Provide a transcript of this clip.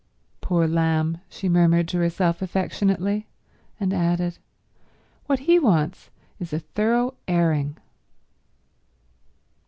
"Poor lamb," she murmured to herself affectionately. And added, "What he wants is a thorough airing."